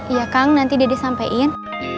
iya kang nanti dedek sampein